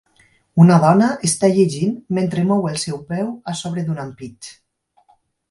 Una dona està llegint mentre mou el seu peu a sobre d"un ampit.